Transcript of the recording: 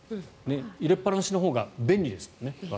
入れっぱなしのほうが便利ですからね。